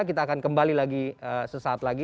kita akan kembali lagi sesaat lagi